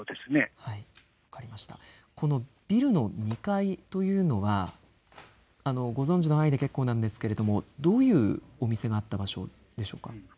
ビルの２階というのはご存じの範囲で結構なんですけれど、どういうお店があった場所でしょうか。